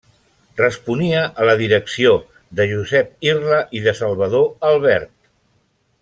Responia a la direcció de Josep Irla i de Salvador Albert.